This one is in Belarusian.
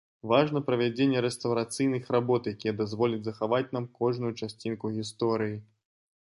Важна правядзенне рэстаўрацыйных работ, якія дазволяць захаваць нам кожную часцінку гісторыі.